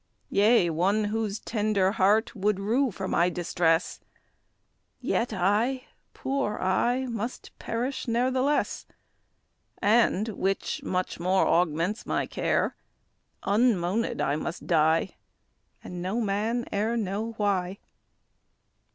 Yea, one whose tender heart would rue for my distress; Yet I, poor I! must perish ne'ertheless. And (which much more augments my care) Unmoanèd I must die, And no man e'er Know why.